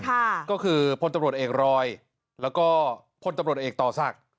ค่ะก็คือพลตำรวจเอกรอยแล้วก็พลตำรวจเอกต่อศักดิ์